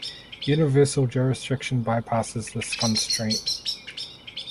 Universal jurisdiction bypasses this constraint.